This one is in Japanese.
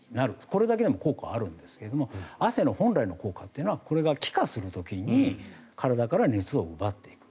これだけでも効果はあるんですが汗の本来の効果っていうのはこれが気化する時に体から熱を奪っていく。